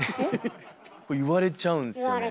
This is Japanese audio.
言われちゃうんですよね。